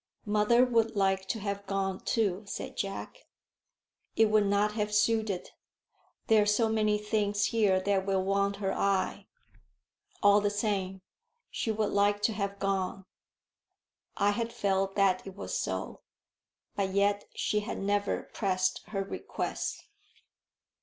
"Mother would like to have gone too," said Jack. "It would not have suited. There are so many things here that will want her eye." "All the same, she would like to have gone." I had felt that it was so, but yet she had never pressed her request.